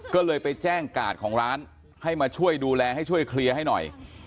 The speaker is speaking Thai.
ก็เลยไปแจ้งกาดของร้านให้มาช่วยดูแลให้ช่วยเคลียร์ให้หน่อย